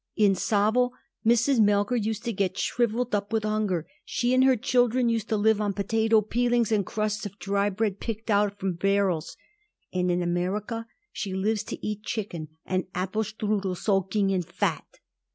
In Savel Mrs. Melker used to get shriveled up from hunger. She and her children used to live on potato peelings and crusts of dry bread picked out from the barrels; and in America she lives to eat chicken, and apple strudels soaking in fat."